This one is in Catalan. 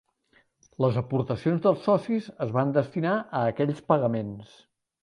Les aportacions dels socis es van destinar a aquells pagaments.